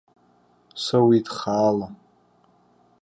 Соуит хаала.